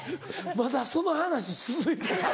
まだその話続いてた。